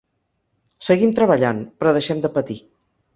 Seguim treballant, però deixem de patir.